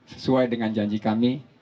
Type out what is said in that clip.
sesuai dengan janji kami